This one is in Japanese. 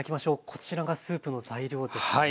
こちらがスープの材料ですね。